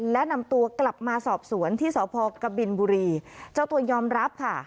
และนำตัวกลับมาสอบสวนที่สพกบินบุรีเจ้าตัวยอมรับค่ะ